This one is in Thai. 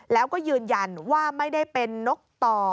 แล้วก็ยืนยันว่าไม่ได้เป็นนกต่อ